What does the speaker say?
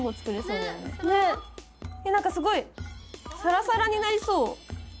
なんかすごいサラサラになりそう。